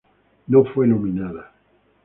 No fue nominada.